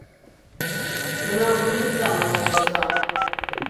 Унам вучыза манын воза.